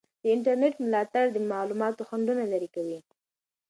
د انټرنیټ ملاتړ د معلوماتو خنډونه لرې کوي.